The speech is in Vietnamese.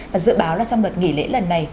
và dự báo là trong đợt nghỉ lễ lần này